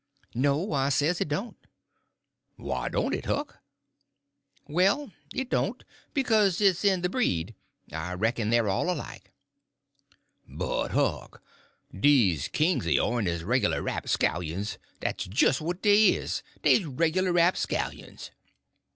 "No," I says, "it don't." "Why don't it, Huck?" "Well, it don't, because it's in the breed. I reckon they're all alike." "But, Huck, dese kings o' ourn is reglar rapscallions; dat's jist what dey is; dey's reglar rapscallions."